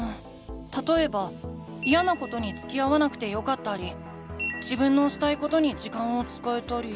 たとえばイヤなことにつきあわなくてよかったり自分のしたいことに時間を使えたり。